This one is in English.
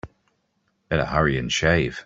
Better hurry and shave.